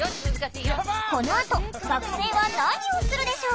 このあと学生は何をするでしょう？